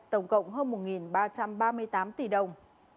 tổng cộng hơn một ba trăm ba mươi tám tỷ đồng